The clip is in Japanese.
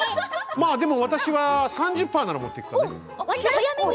私は３０％なら持っていくかな。